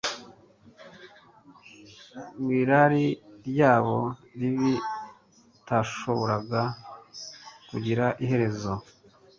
w’irari ryabo ribi utashoboraga kugira iherezo,